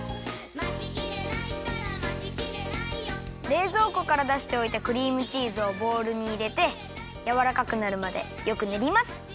れいぞうこからだしておいたクリームチーズをボウルにいれてやわらかくなるまでよくねります。